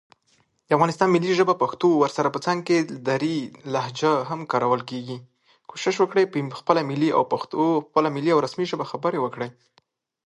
ژبې د افغانانو د ژوند طرز اغېزمنوي.